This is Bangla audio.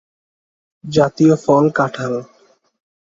জাতীয় ফল কাঁঠাল।